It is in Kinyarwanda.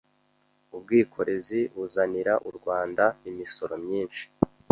Ubwikorezi buzanira u Rwanda imisoro myinshi.